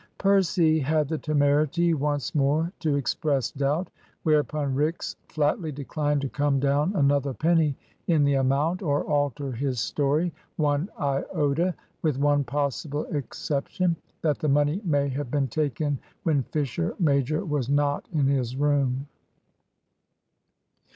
Percy had the temerity once more to express doubt. Whereupon Rix flatly declined to come down another penny in the amount, or alter his story one iota, with one possible exception; that the money may have been taken when Fisher major was not in his room.